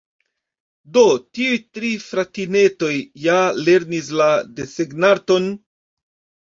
"Do, tiuj tri fratinetoj ja lernis la desegnarton".